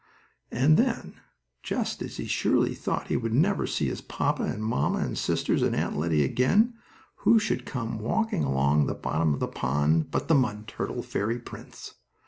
And then, just as he surely thought he would never see his papa, and mamma, and sisters, and Aunt Lettie again, who should come walking along the bottom of the pond but the mud turtle fairy prince.